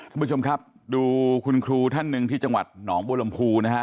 ทุกผู้ชมครับดูคุณครูท่านหนึ่งที่จังหวัดหนองบัวลำพูนะฮะ